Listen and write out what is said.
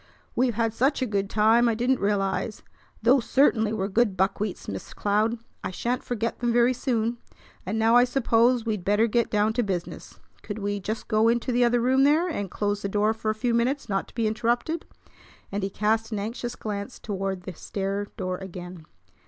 We've had such a good time I didn't realize. Those certainly were good buckwheats, Miss Cloud. I shan't forget them very soon. And now I suppose we'd better get down to business. Could we just go into the other room there, and close the door for a few minutes, not to be interrupted?" and he cast an anxious glance toward the stair door again.